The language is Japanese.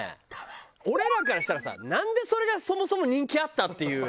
俺らからしたらさなんでそれがそもそも人気あった？っていう。